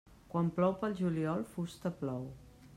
Quan plou pel juliol, fusta plou.